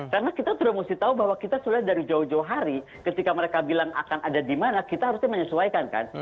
karena kita sudah mesti tahu bahwa kita sudah dari jauh jauh hari ketika mereka bilang akan ada di mana kita harusnya menyesuaikan kan